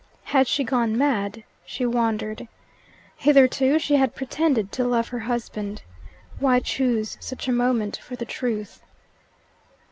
Had she gone mad, she wondered. Hitherto she had pretended to love her husband. Why choose such a moment for the truth?